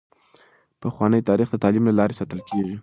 پخوانی تاریخ د تعلیم له لارې ساتل کیږي.